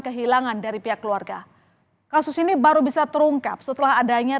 kehilangan dari pihak keluarga kasus ini baru bisa terungkap setelah adanya